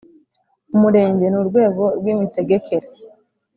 Umurenge ni urwego rw imitegekere